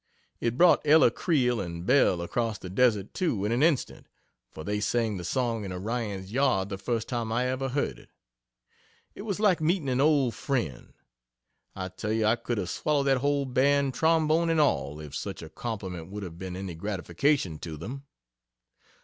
It brought Ella Creel and Belle across the Desert too in an instant, for they sang the song in Orion's yard the first time I ever heard it. It was like meeting an old friend. I tell you I could have swallowed that whole band, trombone and all, if such a compliment would have been any gratification to them.